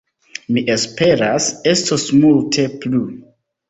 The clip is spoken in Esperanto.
Mi esperas, estos multe plu!